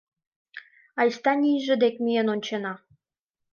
— Айста нийже дек миен ончена.